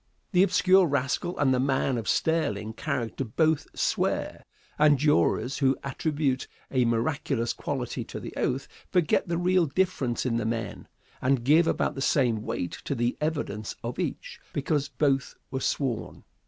The obscure rascal and the man of sterling character both "swear," and jurors who attribute a miraculous quality to the oath, forget the real difference in the men, and give about the same weight to the evidence of each, because both were "sworn."